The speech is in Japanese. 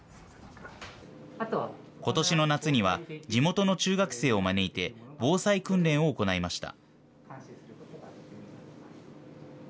ことしの夏には、地元の中学生を招いて防災訓練を行いました。